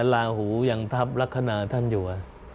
ลาหูยังทับลักษณะท่านอยู่